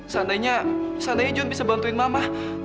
seandainya seandainya john bisa bantuin mama